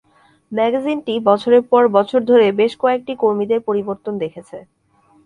ম্যাগাজিনটি বছরের পর বছর ধরে বেশ কয়েকটি কর্মীদের পরিবর্তন দেখেছে।